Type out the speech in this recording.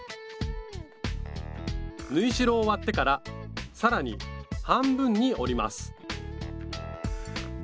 縫い代を割ってから更に半分に折ります